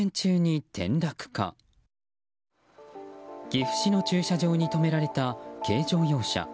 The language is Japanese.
岐阜市の駐車場に止められた軽乗用車。